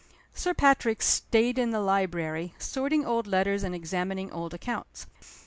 Sir Patrick staid in the library, sorting old letters and examining old accounts.